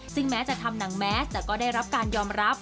ซึ่งแม้จะทำหนังแมสแต่ก็ได้รับการยอมรับ